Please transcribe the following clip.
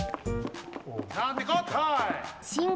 なんてこったい！